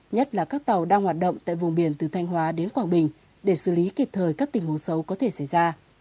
nhất là các tàu đang hoạt động tại vùng biển từ thanh hóa đến quảng bình để xử lý kịp thời các tình huống xấu có thể xảy ra